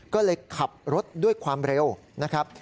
ก็เลยขับรถด้วยความเร็วนะครับ